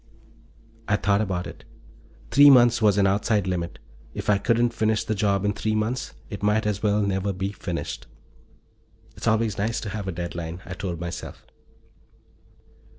I thought about it. Three months was an outside limit. If I couldn't finish the job in three months, it might as well never be finished. It's always nice to have a deadline, I told myself.